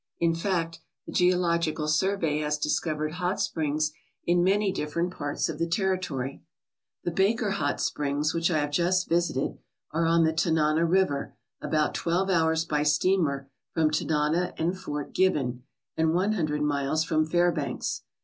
In fact, the Geological Survey has discovered hot springs in many different parts of the territory. ^The Baker Hot Springs, which I have just visited, are on 'the Tanana River about twelve hours by steamer from Tanana and Fort Gibbon, and one hundred miles from Fairbanks.